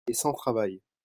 il est sans travail.